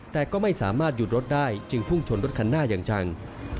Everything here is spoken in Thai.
แต่ก็ไม่สามารถหยุดรถได้จึงพุ่งชนรถคันหน้าอย่างจัง